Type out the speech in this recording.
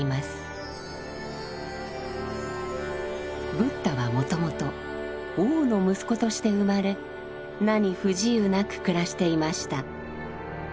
ブッダはもともと王の息子として生まれ何不自由なく暮らしていました。